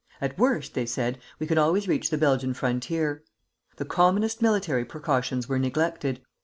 'At worst,' they said, 'we can always reach the Belgian frontier.' The commonest military precautions were neglected.